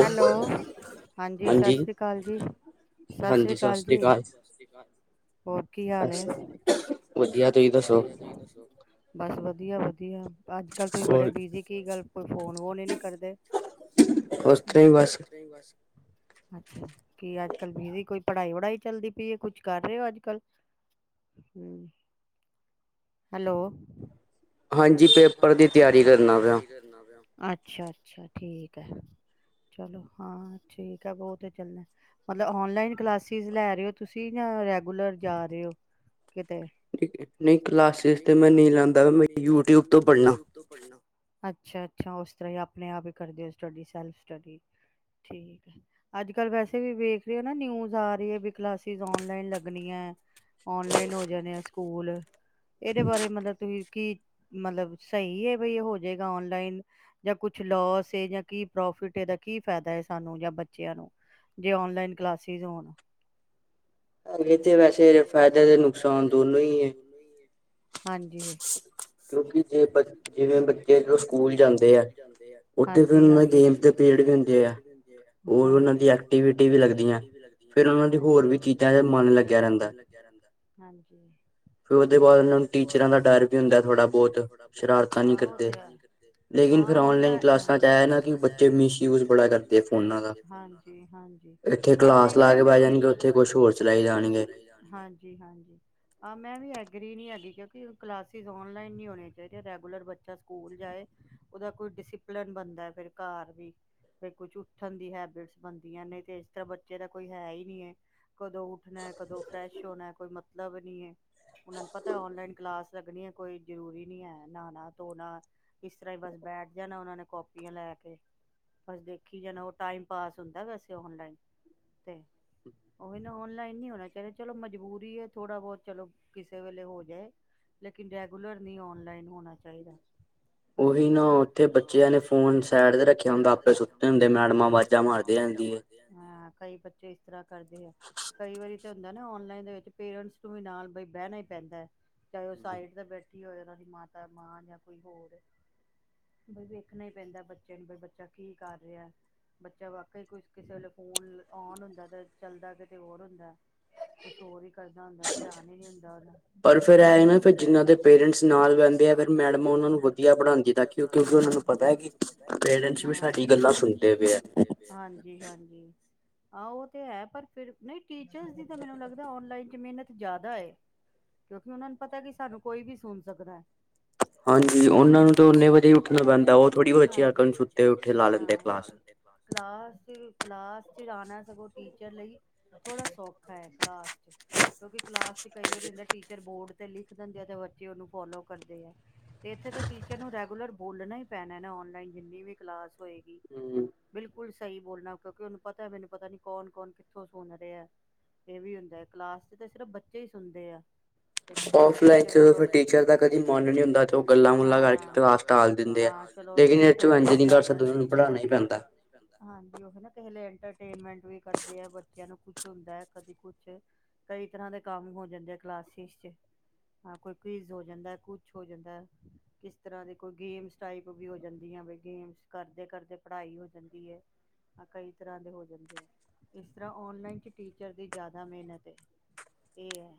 Hello ਹਾਂਜੀ ਸਤਿ ਸ੍ਰੀ ਅਕਾਲ ਜੀ ਸਤਿ ਸ੍ਰੀ ਅਕਾਲ ਜੀ। ਹੋਰ ਕੀ ਹਾਲ ਹੈ। ਬਸ ਵਧੀਆ ਵਧੀਆ। ਅੱਜ ਕੱਲ ਤੁਸੀਂ ਬੜੇ ਬਿਜੀ ਕੀ ਗੱਲ। ਕੋਈ ਫੋਨ ਵੋਨ ਨੀ ਕਰਦੇ। ਉਸ ਤਰ੍ਹਾਂ ਹੀ ਬਸ ਅੱਛਾ ਕੀ ਅੱਜ ਕੱਲ੍ਹ ਵੀ ਕੋਈ ਪੜ੍ਹਾਈ ਵੜਾਈ ਚੱਲਦੀ ਪਈਏ ਕੁਛ ਕਰ ਰਹੇ ਹੋ ਅੱਜ ਕੱਲ। ਹੈਲੋ ਹਾਂਜੀ ਪੇਪਰ ਦੀ ਤਿਆਰੀ ਕਰਨਾ ਪਿਆ। ਅੱਛਾ ਅੱਛਾ ਠੀਕ ਹੈ। ਚਲੋ ਹਾਂ ਠੀਕ ਹੈ ਬਹੁ ਤਾਂ ਚੱਲਣਾ ਮਤਲਬ ਔਨਲਾਈਨ ਕਲਾਸਿਸ ਲੈ ਰਹੇ ਹੋ, ਤੁਸੀਂ ਜਾਂ ਰੈਗੂਲਰ ਜਾ ਰਹੇ ਹੋ। ਨਹੀਂ ਕਲਾਸਿਸ ਤੇ ਮੈਂ ਨਹੀਂ ਲੈਂਦਾ ਯੂਟਿਊਬ ਯੂਟਿਊਬ ਤੋਂ ਪੜ੍ਹਨਾ। ਅੱਛਾ ਅੱਛਾ ਉਸ ਤਰਹਾ ਹੀ ਆਪਣੇ ਆਪ ਹੀ ਕਰਦੇ ਹੋ ਸਟਡੀ ਸ ਸਟ ਠੀਕ ਅੱਜ ਕਲ ਵੈਸੇ ਵੀ ਵੇਖ ਰਹੇ ਹੋ ਨਾ ਨਿਊਜ ਆ ਰਹੀ ਹੈ ਕਲਾਸ ਲਨ ਲਗ ਓਨਲਾਈਨ ਹੋ ਜਾਣੇ ਆ ਸਕੂਲ। ਇਹਦੇ ਬਾਰੇ ਮਤਲਬ ਇਸ ਕੀ ਮਤਲਬ ਸਹੀ ਹੈ ਬ ਇਹ ਹੋ ਜਾਏਗਾ ਓਨਲਾਈਨ ਜਾਂ ਕੁਛ ਲੋਸ ਜਾਂ ਕੀ ਪ੍ਰੋਫਿਟ ਦਾ ਕੀ ਫਾਇਦਾ ਹੈ ਸਾਨੂੰ ਜਾਂ ਬੱਚਿਆਂ ਨੂੰ ਜੇ ਓਨਲਾਈਨ ਕਲਾਸਿਸ ਹੋਣ। ਇਹ ਤੇ ਵੈਸੇ ਫਾਇਦੇ ਤੇ ਨੁਕਸਾਨ ਦੋਨੋਂ ਹੀ ਹੈ। ਹਾਂਜੀ ਹਾਂਜੀ ਹਾਂਜੀ ਹਾਂਜੀ। ਟੀਚਰਾਂ ਦਾ ਡਰ ਵੀ ਹੁੰਦਾ ਏ। ਆਹੋ ਓ ਤੇ ਹੈ। ਹਾਂ ਓਨਲਾਈਨ ਮੈ ਵੀ ਹਾਂਜੀ ਹਾਂਜੀ ਮੈ ਵੀ। ਫਰੀ ਨਹੀਂ ਹੈਗੀ ਕਿਉਂਕਿ ਕਲਾਸਿਸ ਓਨਲਾਈਨ ਨੀ ਹੋਣੀਆਂ ਚਾਹੀਦੀਆਂ ਰੈਗੂਲਰ ਬੱਚਾ ਸਕੂਲ ਜਾਏ ਉਹਦਾ ਕੋਈ ਡਿਸਪਲਨ ਬਣਦਾ ਫਿਰ ਘਰ ਵੀ ਫੇਰ ਕੁਛ ਉੱਠਣ ਦੀ ਹੈਬਿਟਸ ਬਣਦੀਆਂ ਨੇ ਤੇ ਇਸ ਤਰ੍ਹਾਂ ਬੱਚੇ ਦਾ ਕੋਈ ਹੈ ਹੀ ਨਹੀਂੀ ਹੈ ਕਦੋਂ ਉੱਠਣਾ ਕਦੋਂ ਫਰੈਸ਼ ਹੋਣਾ ਕੋਈ ਮਤਲਬ ਨੀ ਹੈ ਉਹਨਾਂ ਨੂੰ ਪਤਾ ਨਲਾਈਨ ਕਲਾਸ ਲੱਗਣੀ ਹੈ। ਕੋਈ ਜਰੂਰੀ ਨੀ ਹੈ ਨਾ ਨਾ ਧ ਨਾ ਇਸ ਤਰ੍ਹਾਂ ਹੀ ਬਸ ਬੈਠ ਜਾਣਾ ਉਹਨਾਂ ਨੇ ਕਾਪੀਆਂ ਲੈ ਕੇ ਬਸ ਦੇਖੀ ਜਾਣਾ ਉਹ ਟਾਈਮ ਪਾਸ ਹੁੰਦਾ ਵੈਸੇ ਓਨਲਾਈਨ ਤੇ ਹੀ ਨਾ ਓਨਲਾਈਨ ਨੀ ਹੋਣਾ ਚਾਹੀਦਾ ਚਲੋ ਮਜਬੂਰੀ ਹੈ ਥੋੜਾ ਬਹੁਤ ਚਲੋ ਕਿਸੇ ਵੇਲੇ ਹੋ ਜਾਏ। ਰੈਗੂਲਰ ਨਹੀਂ ਔਨਲਾਈਨ ਹੋਣਾ ਚਾਹੀਦਾ ਹਾਂਜੀ ਉਨਾ ਉਥੇ ਬੱਚਿਆਂ ਨੇ ਫੋਨ ਸਾਈਡ ਤੇ ਰੱਖਿਆ ਹੁੰਦਾ ਆਪੇ ਸੁਤੇ ਹੁੰਦੇ, ਮੈਡਮਾਂ ਅਵਾਜ਼ਾਂ ਮਾਰਦੀਆਂ ਨੇ ਕਈ ਬੱਚੇ ਇਸ ਤਰ੍ਹਾਂ ਕਰਦੇ ਆ, ਕਈ ਵਾਰੀ ਤਾਂ ਹੁੰਦਾ ਨਾ ਔਨਲਾਈਨ ਦੇ ਵਿੱਚ ਪੇਰੈਂਟਸ ਨੂੰ ਵੀ ਨਾਲ ਬ ਬਹਿਣਾ ਹੀ ਪੈਂਦਾ ਹੈ ਸਾਈਡ ਦਾ ਬੈਠ ਇਕਠੀ ਹੋਏ ਉਹਨਾਂ ਦੀ ਮਾਤਾ ਮਾਂ ਜਾਂ ਕੋਈ ਹੋਰ ਬਈ ਵੇਖਣਾ ਹੀ ਪੈਂਦਾ ਬੱਚੇ ਨੂੰ, ਬ ਬੱਚਾ ਕੀ ਕਰ ਰਿਹਾ ਬੱਚਾ ਵਾਕਈ ਕਿਸੇ ਵੇਲੇ ਫੋਨ ਨ ਹੁੰਦਾ ਤੇ ਚੱਲਦਾ ਕਿਤੇ ਹੋਰ ਹੁੰਦਾ ਕੁਛ ਹੋਰ ਕਰਨਾ ਹੁੰਦਾ ਧਿਆਨ ਹੀ ਨੀ ਹੁੰਦਾ ਉਹਦਾ ਪਰ ਫਿਰ ਐ ਹੈਨਾ ਜਿਨਾਂਦੇ ਪੇਰੇਂਟਸ ਨਾਲ ਬੈਠਦੇ ਨੇ ਮੈਡਮ ਉਨ੍ਹਾਂਨੂੰ ਵਦੀਆਂ ਪੜਾਦੀ ਐ, ਕਿਊਕਿ ਫਿਰ ਉਨ੍ਹਾਂਨੂੰ ਪਤਾ ਹੈ ਪੇਰੇਂਟਡ ਸਾਡੀਆਂ ਗੱਲਾਂ ਸੁਣਦੇ ਪਏ ਐ। ਗਾਂ ਸੁ ਹਾਂਜੀ ਹਾਂਜੀ ਹਾਂਜੀ ਹਾਂਜੀ ਆਹ ਉਹ ਤੇ ਹੈ ਪਰ ਫਿਰ ਨਹੀਂ ਟੀ ਚ ਦੀ ਮੈਨੂੰ ਲੱਗ ਔਨਲਾਈਨ ਚ ਮੇਹਨਤ ਜ਼ਿਆਦਾ ਏ ਕਿਉਂਕਿ ਉਨ੍ਹਾਂਨੂੰ ਪਤਾ ਕੀ ਸਾਨੂੰ ਕੋਈ ਵੀ ਸੁਣ ਸਕਦਾ ਹੈ ਹਾਂਜੀ ਉਹਨਾ ਨੂੰ ਤੇ ਉਨੇ ਵਜੇ ਹੀ ਉੱਠਣਾ ਪੈਂਦਾ, ਹੋਰ ਕੋਈ ਬੱਚੇ ਆ ਸੁਤੇ ਉਠੇ ਲਾ ਲੈਂਦੇ ਕਲਾਸ, ਲਾਸਟ - ਕਲਾਸ ਚ ਆਉਣਾ ਸਗੋਂ ਟੀਚਰ ਲਈ ਥੋੜਾ ਸੌਖਾ ਹੈ ਕਾਸਟ ਕਿਉਂਕਿ ਕਲਾਸ ਚ ਕਈ ਵਾਰੀ ਹੁੰਦਾਂ ਏ ਟੀਚਰ ਬੋਰਡ ਤੇ ਲਿਖ ਦਿੰਦੇ ਆ ਤੇ ਬੱਚੇ ਉਹਨੂੰ ਫੋਲੋ ਕਰਦੇ ਆ ਤੇ ਇੱਥੇ ਤਾਂ ਟੀਚਰ ਨੂੰ ਰੈਗੂਲਰ ਬੋਲਣਾ ਹੀ ਪੈਣਾ ਨਾ ਔਨਲਾਈਨ ਜਿੰਨੀ ਵੀ ਕਲਾਸ ਹੋਏਗੀ ਬਿਲਕੁਲ ਬਿਲਕੁਲ ਸਹੀ ਬੋਲਣਾ ਕਿਉਂਕਿ ਉਹਨੂੰ ਪਤਾ ਹੈ ਮੈਨੂੰ ਪਤਾ ਨੀ ਕੌਣ ਕੌਣ ਕਿੱਥੋਂ ਸੁਣ ਰਿਹਾ ਹੈ ਇਹ ਵੀ ਹੁੰਦਾ ਹੈ ਕਲਾਸ ਚ ਤਾਂ ਸਿਰਫ ਬੱਚੇ ਹੀ ਸੁਣਦੇ ਐ ਆੱਫਲਾਈਨ ਟੀਚਰ ਤੱਕ ਅਸੀਂ ਪਹੁੰਚ ਨਹੀਂ ਹੁੰਦਾ, ਪਹਿਲਾਂ ਮੁਲਾਕਾਤ ਤੇ ਕਿਸੇ ਵੇਲੇ ਟੀਚਰ ਚਲੋ, ਟੀਚਰ ਦਾ ਕਦੀ ਮਨ ਨਹੀਂ ਹੁੰਦਾ, ਗੱਲਾਂ ਗੁਲਾ ਕਰਨ ਦਾ, ਚਲੋ ਇੰਟਰਟੇਨ ਕਰ ਦਿੰਦੇ ਵੀ ਉਹ ਹਨ ਨਾ ਕਿਸੇ ਲਈ ਇੰਟਰਟੇਨਮੈਂਟ ਵੀ ਕਰਦੇ ਹੈ ਬੱਚਿਆਂ ਨੂੰ ਕੁਛ ਹੁੰਦਾ ਹੈ, ਕਦੇ ਕੁਛ, ਕਈ ਤਰ੍ਹਾਂ ਦੇ ਕੰਮ ਹੋ ਜਾਂਦੇ ਆ ਕਲਾਸਿਸ ਚ ਹਾਂ ਕੋਈ ਕਿਜ਼ ਹੋ ਜਾਂਦਾ ਕੁਛ ਹੋ ਜਾਂਦਾ ਕਿਸ ਤਰ੍ਹਾਂ ਦੇ ਕੋਈ ਗੇਮਸ ਟਾਈਪ ਵੀ ਹੋ ਜਾਂਦੀ ਆ ਵੀ ਗੇਮਸ ਕਰਦੇ ਕਰਦੇ ਪੜ੍ਹਾਈ ਹੋ ਜਾਂਦੀ ਹੈ, ਕਈ ਤਰ੍ਹਾਂ ਦੇ ਹੋ ਜਾਂਦੇ ਆ ਇਸ ਤਰ੍ਹਾਂ ਔਨਲਾਈਨ 'ਚ ਟੀਚਰ ਦੀ ਜ਼ਿਆਦਾ ਮਿਹਨਤ ਹੈ, ਇਹ ਹੈ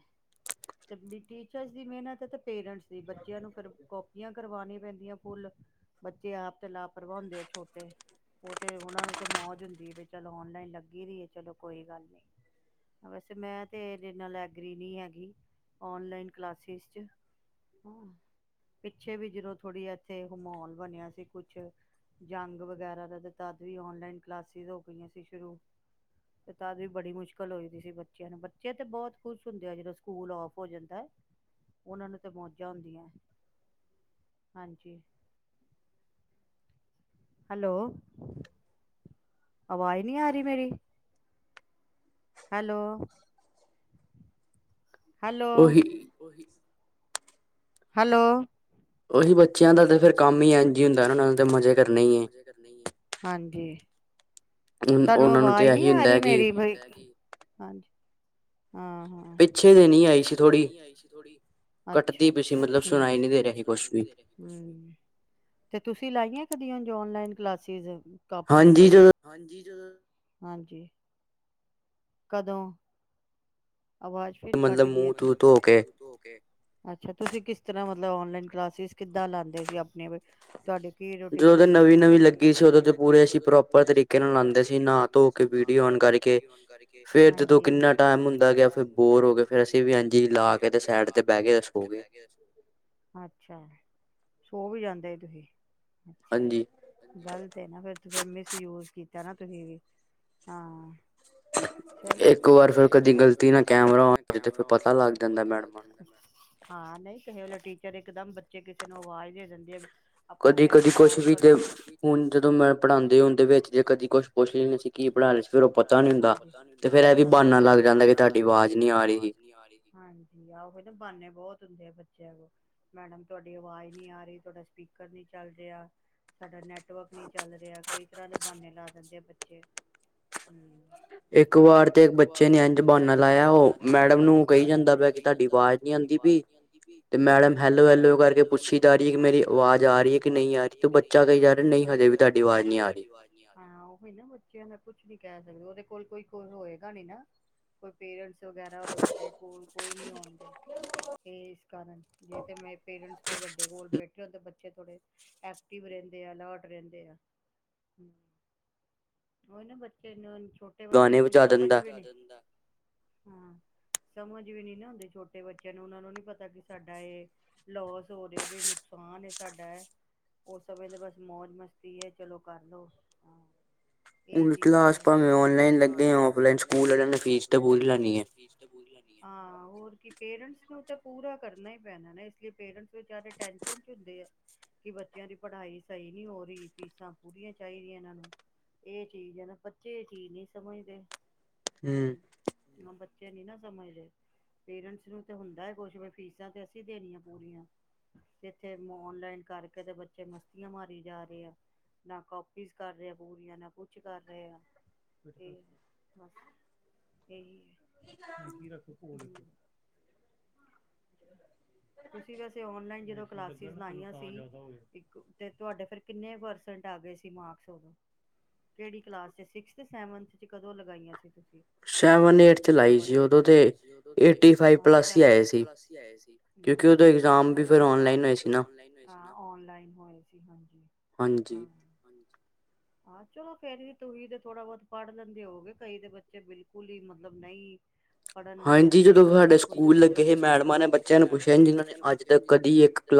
ਟੀਚ ਦੀ ਮਿਹਨਤ ਹੈ ਪੇਰੈਂਟਸ ਦੀ ਬੱਚਿਆਂ ਨੂੰ ਫਿਰ ਕਾਪੀਆਂ ਕਰਵਾਉਣੀਆਂ ਪੈਂਦੀਆਂ ਫੁੱਲ, ਬੱਚੇ ਆਪ ਤੇ ਲਾਪਰਵਾਹ ਹੁੰਦੇ ਆ ਛੋਟੇ ਉਹ ਤੇ ਉਹਨਾਂ ਨੂੰ ਤੇ ਮੌਜ ਹੁੰਦੀ ਵੀ ਚੱਲ ਔਨਲਾਈਨ ਲੱਗੀ ਰ ਹੈ ਚਲੋ ਕੋਈ ਗੱਲ ਨਹੀਂ ਵੈਸੇ ਮੈਂ ਤੇ ਇਹਦੇ ਨਾਲ ਐਗਰੀ ਨਹੀਂ ਹੈਗੀ ਓਨਲਾਈਨ ਕਲਾਸਿਸ ਚ ਹ ਪਿੱਛੇ ਵੀ ਜਦੋਂ ਥੋੜ੍ਹੀ ਇੱਥੇ ਮਾਹੌਲ ਬਣਿਆ ਸੀ, ਕੁਛ ਜੰਗ ਵਗੈਰਾ ਦਾ ਤੇ ਤਦ ਵੀ ਓਨਲਾਈਨ ਕਲਾਸਿਿਸ ਹੋ ਗਈਆਂ ਸੀ ਸ਼ੁਰੂ, ਤੇ ਤਦ ਵੀ ਬੜੀ ਮੁਸ਼ਕਿਲ ਹੋਦੀ ਸੀ ਬੱਚਿਆਂ ਨੂੰ ਬੱਚੇ ਤੇ ਬਹੁਤ ਕੁੁਸ਼ ਹੁੰਦੇ ਆ ਜਦੋਂ ਸਕੂਲ ਔਫ ਹੋ ਜਾਂਦਾ ਉਹਨਾਂ ਨੂੰ ਤਾਂ ਮੌਜਾਂ ਹੁੰਦੀਆਂ, ਹਾਂਜੀ ਹੈਲੋ ਆਵਾਜ਼ ਨਹੀਂ ਆ ਰਹੀ ਮੇਰੀ ਹੈਲੋ ਹੈਲੋ, ਔਹੀ ਹੈਲੋ ਉਹੀ ਬੱਚਿਆਂ ਦਾ ਫਿਰ ਕੰਮਐਂਜ ਹੀ ਹੁੰਦਾ ਮਜੇ ਕਰਨੇ ਹੀ ਹੈਂ, ਹਾਂਜੀ ਤੁਹਾਨੂੰ ਆਵਾਜ਼ ਨਹੀਂ ਆ ਰਹੀ ਮੇਰੀ, ਬਈ ਹਾਂਜੀ ਪਿੱਛੇ ਦਿ ਨੀ ਆਈ ਸੀ ਥੋੜ੍ਹੀ ਕੱਟਦੀ ਪਿੱਛੇ ਹਮ ਤੇ ਤੁਸੀਂ ਲਾਈਆਂ ਕਦੀਆਂ ਔਨਲਾਈਨ ਕਲਾਸਿਜ਼ ਕੱਪ ਨੇ ਬਈ, ਹਾਂਜੀ। ਹਾਂਜੀ, ਕਦੋਂ ਆਵਾਜ਼ ਫਿਰ ਕੱਟ ਗਈ ਅੱਛਾ ਤੁਸੀਂ ਕਿਸ ਤਰ੍ਹਾਂ ਮਤ ਮਤਲਬ ਔਨਲਾਈਨ ਕਲਾਸਿਸ ਕਿੱਦਾਂ ਲਾਂਦੇ ਸੀ ਆਪਣੇ ਉਰੇ ਤੁਹਾਡੀ ਕੀ ਰੂਟੀਨ ਸੀ, ਜਦੋਂ ਨਵੀਂ- ਨਵੀਂ ਲਗੀ ਸੀ ਉਦੋਂ ਅਸੀਂ ਪੂਰੇ ਪ੍ਰੋਪਰ ਤਰੀਕੇ ਨਾਲ ਆਂਦੇ ਸੀ ਨਾਹ ਧੋ ਕੇ ਵੀਡਿਓ ਔਨ ਕਰਕੇ ਫੇਰ ਜਦੋਂ ਕਿੰਨਾ ਐ ਹੁੰਦਾ ਗਿਆ ਵੀ ਬੋਰ ਹੋ ਗਏ ਅਸੀਂ ਵੀ ਲਾ ਕੇ ਵੀ ਸਾਈਡ ਤੇ ਬਹਿਗੇ ਅਸੀਂ ਵੀ। ਸੋ ਵੀ ਜਾਂਦੇ ਤੁਸੀਂ ਅੱਛਾ, ਗਲਤ ਹੈ ਨਾ ਫਿਰ ਤੂੰ ਫਿਰ ਮਿਸਯੂਜ ਕੀ ਕਹਿਣਾ ਤੁਸੀਂ ਵੀ ਹਾਂ। ਇੱਕ ਵਾਰ ਫਿਰ ਕਦੀ ਗ਼ਲਤੀ ਨਾ ਗਲਤੀ ਨਾਲ ਕੈਮਰਾ ਔਨ ਪਤਾ ਲੱਗ ਜਾਂਦਾ, ਮੈ ਹਾਂ ਨਹੀਂ ਕਿਸੇ ਵ ਟੀਚਰ ਇਕਦਮ ਬੱਚੇ ਕਿਸੇ ਨੂੰ ਆਵਾਜ਼ ਦੇ ਦਿੰਦੇ ਆ। ਕਦੀ ਕਦੀ ਕੁਛ ਵੀ ਜੇ ਹੁਣ ਜਦੋਂ ਮੈਂਮ ਪੜ੍ਹਾਉਂਦੇ ਹੁੰਦੇ ਵਿੱਚ ਜੇ ਕਦੀ ਕੁਛ ਪੁੱਛ ਲੈਂਦੇ ਸੀ ਕੀ ਪੜ੍ਹਾ ਲੈਂ ਸੀ, ਫਿਰ ਉਹ ਪਤਾ ਨਹੀਂ ਹੁੰਦਾ ਤੇ ਫਿਰ ਇਹ ਵੀ ਬਾਨਾ ਲੱਗ ਜਾਂਦਾ ਕਿ ਤੁਹਾਡੀ ਆਵਾਜ਼ ਤੁਹਾਡੀ ਆਵਾਜ਼ ਨੀ ਆ ਰਹੀ ਹਾਂਜੀ ਆ ਬਾਨੇ ਬਹੁਤ ਬੱਚਿਆਂ ਮੈਡਮ ਤੁਹਾਡੀ ਆਵਾਜ਼ ਨੀ ਆ ਰਹੀ ਤੁਹਾਡਾ ਸਪੀਕਰ ਨੀ ਚੱਲ ਰਿਹਾ ਸਾਡਾ ਨੈਟ ਨੈਟਵਰਕ ਨੀ ਚੱਲ ਰਿਹਾ ਕਈ ਤਰ੍ਹਾਂ ਦੇ ਬਾਨੇ ਲਾ ਦਿੰਦੇ ਆ ਬੱ ਹੂੰ। ਇਕ ਵਾਰ ਤੇ ਇੱਕ ਬੱਚੇ ਨੇ ਇੰਜ ਬਾਨਾ ਲਾਇਆ ਬਾਨਾ ਲਾਇਆ ਉਹ ਮੈਡਮ ਨੂੰ ਕਹੀ ਜਾਂਦਾ ਪਿਆ ਤੁਹਾਡੀ ਆਵਾਜ਼ ਨੀ ਆਂਦੀ ਪਈ, ਮੈਡਮ ਹੈਲੋ- ਹੈਲੋ ਕਰਕੇ ਪੁੱਛੀ ਜਾ ਰਹੀ ਮੇਰੀ ਆਵਾਜ਼ ਆ ਰਹੀ ਹੈ, ਕਿ ਨਹੀਂ ਆ ਰਹੀ ਬੱਚਾ ਕਹੀ ਜਾ ਰਿਹਾ ਨਹੀਂ ਹਜੇ ਵੀ ਤੁਹਾਡੀ ਆਵਾਜ਼ ਨ ਆ ਰਹੀ ਨਾ ਬੱਚਾ ਕੁਛ ਵੀ ਨਾ ਕਹਿ ਸਕਦੇ ਹੋ ਉਹਦੇ ਕੋਲ ਕੋਈ ਕੋਈ ਹੋਏਗਾ ਨੀ ਨਾ ਕੋਈ ਪੇਰੈਂਟਸ ਵਗੈਰਾ ਉਹਦੇ ਵੱਡੇ ਕੋਲ ਕੋਈ ਨੀ ਹੋਣਗੇ ਤੇ ਇਸ ਕਾਰਨ ਜੇ ਤੇ ਮੇ ਪੇਰੈਂਟਸ ਵੱਡੇ ਕੋਲ ਬੈਠੇ ਹੁੰਦੇ ਬੱਚੇ ਥੋੜੇ ਐਕਟਿਵ ਰਹਿੰਦੇ ਆ ਅਲਟ ਰਹਿੰਦੇ ਆ ਉਹ ਨਾ ਬੱਚੇ ਛੋਟੇ ਬੱਚੇ ਨੂੰ ਕੁਝ ਸਮਝ ਵੀ ਨੀ ਹਾਂ ਸਮਝ ਵੀ ਨੀ ਨਾ ਆਂਦੀ ਛੋਟੇ ਬੱਚਿਆਂ ਨੂੰ ਉਹਨਾ ਨੂੰ ਨੀ ਪਤਾ ਕਿ ਸਾਡਾ ਇਹ ਲੋਸ ਹੋ ਰਿਹਾ ਵੀ ਨੁਕਸਾਨ ਸਾਡਾ ਉਸ ਸਮੇਂ ਤੇ ਬਸ ਮੌਜ ਮਸਤੀ ਹੈ ਚਲੋ ਕਰਲੋ ਹ ਹੁਣ ਕਲਾਸ ਭਾਵੇਂ ਔਨਲਾਈਨ ਲੱਗੇ ਔਫਲਾਈਨ ਸਕੂਲ ਨੇ ਫ਼ੀਸ ਤਾਂ ਪੂ ਉਨਾਂ ਨੇ ਫੀਸ ਤਾਂ ਪੂਰੀ ਲੈਣੀ ਆ, ਹਾਂ ਹੋਰ ਕਿ ਪੇਰੈਂਟਸ ਨੂੰ ਤਾਂ ਪੂਰਾ ਕਰਨਾ ਹੀ ਪੈਣਾ ਨਾ ਇਸ ਲਈ ਪੇਰੈਂਟਸ ਵਿਚਾਰੇ ਟੈਸ਼ਨ ਚ ਹੁੰਦੇ ਆ ਕਿ ਬੱਚਿਆਂ ਦੀ ਪੜ੍ਹਾਈ ਸਹੀ ਨਹੀਂ ਹੋ ਰਹੀ ਫੀਸਾਂ ਪੂਰੀਆਂ ਚਾਹੀਦੀਆਂ ਇਹਨਾਂ ਨੂੰ ਇਹ ਚੀਜ਼ ਹੈ ਨਾ ਬੱਚੇ ਇਹ ਚੀਜ਼ ਨੀ ਸਮਝਦੇ। ਹੂੰ, ਬੱਚੇ ਨੀ ਨਾ ਸਮਝਦੇ ਪੇਰੈਂਟਸ ਨੂੰ ਤੇ ਹੁੰਦਾ ਹੀ ਕੁਛ ਫੀਸਾਂ ਤੇ ਅਸੀਂ ਦੇਣੀਆਂ ਪੂਰੀਆਂ ਜਿਥੇ ਓਨਲਾਈਨ ਕਰਕੇ ਤੇ ਬੱਚੇ ਮਸਤੀਆਂ ਮਾਰੀ ਜਾ ਰਹੇ ਆ, ਨਾ ਕੋਪੀਜ਼ ਕਰ ਰਹੇ ਪੂਰੀਆਂ ਨਾ ਕੁਛ ਕਰ ਰਹੇ ਆ ਬਸ ਇਹੀ ਹੈ। ਹ ਕੀ ਰੱਖੋਖ ਤੁਸੀਂ ਵੈਸੇ ਆਨਲਾਈਨ ਜਦੋ ਕਲਾਸੇਸ ਲਾਈਆਂ ਸੀ, ਇੱਕ ਤੇ ਤੁਹਾਡੇ ਫਿਰ ਕਿੰਨੇ ਪਰਸੇਂਟ ਆਗੇ ਸੀ ਮਾਰਕਸ? ਉਦੋਂ ਕਿਹੜੀ ਕਲਾਸ ਚ ਸਿਕਸਥ, ਸੈਵੰਥ ਕਦੋਂ ਲਗਾਇਆਂ ਸੀ? ਸੈਵਨ, ਏਟ ਚ ਲਾਈ ਸੀ, ਓਦੋ ਤੇ ਏਟੀ ਫਾਇਵ ਪਲਸ ਹੀ ਆਏ ਸੀ। ਏਟੀ ਫਾਇਵ ਪਲਸ, ਕਿੳਕੀ ਫਿਰ ਇਕਜਾਮ ਵੀ ਫਿਰ ਆਨਲਾਈਨ ਹੀ ਹੋਏ ਸੀ। ਹਾਂ ਆਨਲਾਈਨ ਹੋਏ ਸੀ। ਆਹ, ਚਲੋ ਫੇਰ ਵੀ ਤੁਸੀਂ ਤੇ ਥੋੜਾ ਬਹੁਤ ਪੜ੍ਹ ਲੈਂਦੇ ਹੋਗੇ ਕਈ ਦੇ ਬੱਚੇ ਬਿਲਕੁਲ ਮਤਲਬ ਨਹੀਂ। ਪੜਨ ਵਾਲੇਂ ਦੇ ਹਾਂਜੀ, ਜਦੋਂ ਸਾਡੇ ਸਕੂਲ ਲੱਗੇ ਹੋਏ ਮੈਡਮਾਂ ਨੇ ਬੱਚਿਆਂ ਨੂੰ ਪੁਛਿਆ ਜੀ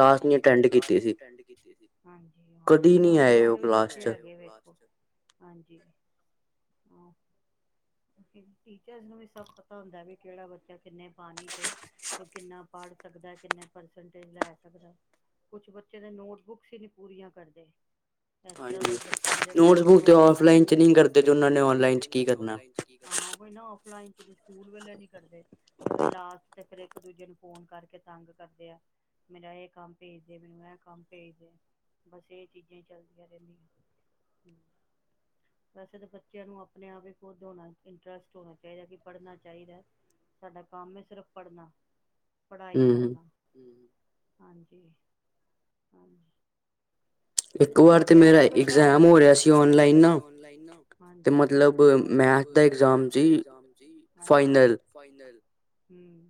ਕਦੀ ਇੱਕ ਕਲਾਸ ਨਹੀਂ ਅਟੈਂਡ ਕੀਤੀ ਸੀ। ਹਾਂਜੀ! [inaudible] ਟੀਚਰਸ ਨੂੰ ਵੀ ਸਭ ਪਤਾ ਹੁੰਦਾ ਵੀ, ਕਿਹੜਾ ਬੱਚਾ ਕਿੰਨੇ ਪਾਣੀ ਚ ਏ ਕਿੰਨਾ ਪੜ ਸਕਦਾ, ਕਿੰਨੇ ਪਰਸੇਂਟੇਜ ਲੈ ਸਕਦਾ, ਕੁਛ ਬੱਚੇ ਦੇ ਨੋਟਬੁੱਕਸ ਹੀ ਨੀ ਪੂਰੀਆਂ ਕਰਦੇ। ਇਸ ਤਰ੍ਹਾਂ ਦੇ ਬੱਚੇ ਹੁੰ ਬਿਲਕਲ ਨੋਟਬੁਕਸ ਚ ਨੋਟਬੁਕ ਆਫਲਾਇਨ ਚ ਨੀ ਕਰਦੇ, ਤੇ ੳਹਨਾ ਨੇ ਆਨਲਾਈਨ ਚ ਕੀ ਕਰਨਾ। ਕੋ ਨਾ ਫਲਾਈਨ ਚ ਨ ਸਕੂਲ ਵਲੋ ਨੀ ਕਰਦੇ। ਤੇ ਫਰ ਲਾਸਟ ਤੇ ਫਿਰਰ ਇੱਕ ਦੂਜੇ ਨੂੰ ਫੋਨ ਕਰਕੇ ਤੰਗ ਕਰਦੇ ਆ, ਮੇਰਾ ਇਹ ਕੰਮ ਭੇਜਦੇ, ਮੈਨੂੰ ਇਹ ਕੰਮ ਭੇਜਦੇ ਬਸ ਇਹ ਚੀਜ਼ਾਂ ਹੀ ਚੱਲਦੀਆਂ ਰਹਿੰਦੀਆਂ, ਵੈਸੇ ਤਾਂ ਬੱਚਿਆਂ ਨੂੰ ਆਪਣੇ ਆਪ ਹੀ ਖੁਦ ਹੋਣਾ ਇੰਟਰਸਟ ਹੋਣਾ ਚਾਹੀਦਾ ਕਿ ਪੜ੍ਹਨਾ ਚਾਹੀਦਾ ਸਾਡਾ ਕੰਮ ਹੈ ਸਿਰਫ਼ ਪੜ੍ਹਨਾ। ਪੜ੍ਹਾਈ ਕਰਨਾ। ਹਾਂਜੀ, ਹਾਂਜੀ। ਤੁਹਾਡੇ ਹੈ ਕੋਈ ਘਰ। [unintelligible] ਇਕੱਜੈਮ ਹੋ ਰਿਹਾ ਸੀ ਔਨਲਾਈਨ ਨਾ। ਹਾਂਜੀ, ਤੇ ਮਤਲਬ। ਮ ਮੈਥ ਦਾ ਐਗਜਾਮ ਸੀ। ਹਾਂਜੀ, ਫਾਈਨਲ। ਹਮ।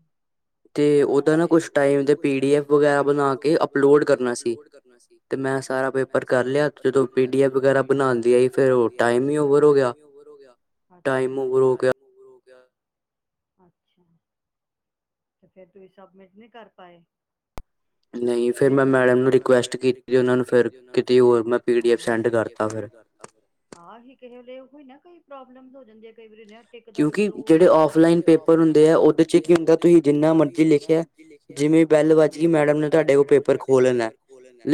ਤੇ ਓਦਾ ਨਾ ਕੁਛ ਟਾਈਪ ਦੇ ਪੀ ਡੀ ਐਫ ਵਗੈਰਹਿ ਬਣਾ ਕੇ ਅਪਲੋਡ ਕਰਨਾ ਸੀ। ਅੱਛਾ! ਮੈਂ ਸਾਰਾ ਪੇਪਰ ਕਰ ਲਿਆ। ਜਦੋਂ ਪੀ ਡੀ ਐਫ ਵਗੈਰਹਿ ਬਨਾਣ ਦੀ ਆਈ ਤੇ ਫਿਰ ਉਹ ਟਾਈਮ ਹੀ ਓਵਰ ਹੋ ਗਿਆ। ਮੂੰਗਰੁ ਹੋ ਗਿਆ। ਹੋ ਗਿਆ। ਤੇ ਫਿਰ ਤੁਸੀਂ ਸਬਮਿਟ ਨਹੀ ਕਰ ਪਾਏ? ਨਹੀਂ ਫਿਰ, ਮੈਂ, ਮੈਡਮ ਨੂੰ ਰਿਕੁਐਸਟ ਕੀਤੀ। ਉਨ੍ਹਾਂ ਨੂੰ ਫਿਰ ਕੀਤੇ ਹੋਰ ਮੈਂ ਪੀ ਡੀ ਐਫ ਸੈਂਡ ਕਰ ਤਾ। ਆਂ ਹੀ ਤੇ ਹਲੇ ਉਹੀ ਨਾ ਕੋਈ ਪ੍ਰੋਬਲਮ ਹੋ ਜੇ ਜਾਂਦੀ ਹੈ ਕਈ ਵਾਰੀ ਰਹਿ ਇਕਦਮ ਸਲੋਹ ਹੋ ਜਾਣਦੈ, ਕੁਓਂਕਿ ਜਿਹੜੇ ਆਫਲਾਈਨ ਪੇਪਰ ਹੁੰਦੇ ਐ। ਉਦੇ ਇਚ ਕੀ ਹੁੰਦੈ, ਤੁਸੀ ਜਿਨਾ ਮਰਜੀ ਲਿਖਿਓ, ਜਿਂਵੇ ਬੈਲ ਵੱਜ ਗਈ ਮੈਡਮ ਨੇ ਤੁਹਾਡੇ ਕੋਲ ਪੇਪਰ ਖੋਹ ਲੈਨੈ।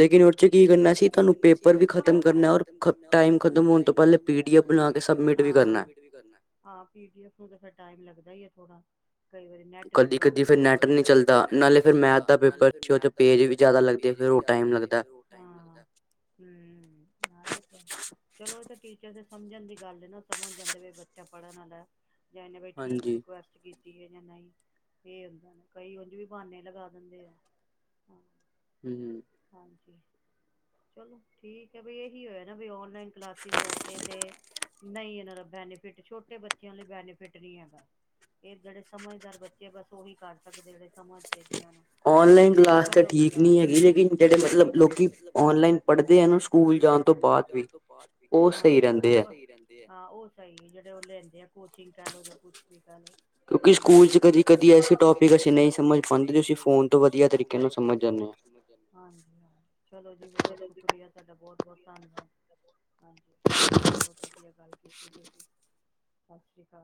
ਲੇਕਿਨ ਉਦੇ ਚ ਕੀ ਕਰਨਾ ਸੀ ਤੁਹਾਨੂੰ ਪੇਪਰ ਵੀ ਖਤਮ ਕਰਨਾ, ਹੋਰ ਖੁਦ ਟਾਈਮ ਖ਼ਤਮ ਹੋਣ ਤੋ ਪਹਿਲੇ ਪੀ ਡੀ ਐਫ ਬਣਾ ਕੇ, ਆਂ, ਸਬਮਿਟ। ਕਰਨਾ ਹਾਂ ਪੀ ਡੀ ਐਫ ਨੂੰ ਤੇ ਫਿਰ ਟਾਈਮ ਲੱਗਦੈ ਹੀ ਏ ਥੋੜਾ। ਕਈ ਵਾਰੀ ਨੈਟ ਦੀ ਪ੍ਰੋਬਲਮ ਹੋਰ ਜਾਂਦੀ ਏ ਕਦੀ, ਕਦੀ ਫਿਰ ਨੈਟ ਵੀ ਨਹੀਂ ਚਲਦਾ, ਨਾਲੇ ਫਿਰ ਮੈਥ ਦਾ ਪੇਪਰ ਚ ਕੁਜ ਪੇਜ ਵੀ ਜ਼ਿਆਦਾ ਲੱਗਦੇ, ਫਿਰ ਉਹ ਟਾਈਮ ਲੱਗਦੈ। ਹਾਂ, ਹਮ ਹਾਂ ਇਹ ਤੇ ਹੈ। ਚਲੋ ਇਹ ਤਾ ਠੀਕ ਹੈ ਫਿਰ ਸਮਝਣ ਦੀ ਗੱਲ ਏ ਨਾ ਸਮਝ ਜਾਂਦੇ ਵੇ। ਬੱਚਾ ਪੜਨ ਆਲੈ। ਜਾਂ ਏਨੇ ਬਈ ਠੀਕ ਰਿਕੁਐਸਟ ਕੀ [unintelligible] ਨਹੀਂ ਇਹ ਹੁੰ, ਕਈ ਉਝ ਵੀ ਬਹਾਨੇ ਲਗਾ ਦਿੰਦੇ ਐ। ਹਮ। ਚਲੋ ਠੀਕ ਹੈ। ਬ ਇਹੀ ਹੋਇਆ ਨਾ ਬਈ ਔਨਲਾਈਨ ਕਲਾਸਿਸ ਵੈਸੇ ਤੇ ਨਹੀਂ ਇਹਨਾਂ ਦਾ ਫੈਨ ਏ ਬ ਫਿਟ ਛੋਟੇ ਬੱਚਿਆਂ ਲਈ ਬੈਨੀਫਿਟ ਨਹੀ ਹੈਗਾ। ਇਹ ਜਿਹੜੇ ਸਮਝਦਾਰ ਬੱਚੇ ਬੱਸ ਉਹੀ ਕਰ ਸਕਦੇ ਜਿਹੜੇ [unintelligible] ਅੱਜ-ਕੱਲ ਔਨਲਾਈਨ ਕਲਾਸ ਤਾਂ ਠੀਕ ਨਹੀਂ ਹੈਗੀ ਲੇਕਿਨ ਜਿਹੜੇ ਮਤਲਬ ਲੋਕੀ ਔਨਲਾਈਨ ਪੜਦੇ ਆ ਸਕੂਲ ਜਾਣ ਤੋਂ ਬਾਦ ਵੀ, ਉਹ ਸਹੀ ਰਹਿੰਦੇ ਆ। ਹਾਂ ਉਹ ਸਹੀ ਏ। ਉਹ ਲੈਂਦੇ ਆ ਕੋਚਿੰਗ ਕਰ ਲੋ, ਜਾਂ ਕੁਛ ਵੀ ਕਰ ਲੋ। ਹਾਂ, ਕੀ ਸਕੂਲ ਚ ਕਦੀ-ਕਦੀ ਐਸੇ ਟੌਪਿਕ ਅਸੀ ਨਹੀਂ ਸਮਝ ਪਾਉਂਦੇ ਸੀ ਫੋਨ ਤੋਂ ਵਧੀਆ ਤਰੀਕੇ ਨਾਲ ਸਮਝ ਜਾਨੇ ਹਾਂ। ਹਾ ਚਲੋ ਜੀ ਬਹੁਤ ਸ਼ੁਕਰੀਆ ਤੁਹਾਡਾ ਬਹੁਤ-ਬਹੁਤ ਧੰਨਵਾਦ, ਹਾਂਜੀ ਬਹੁਤ ਵਧੀਆ ਗੱਲ ਕੀਤੀ ਜੀ ਅਸੀਂ। ਸਤਿ ਸ਼੍ਰੀ ਅਕਾਲ।